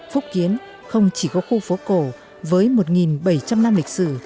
phúc kiến không chỉ có khu phố cổ với một bảy trăm linh năm lịch sử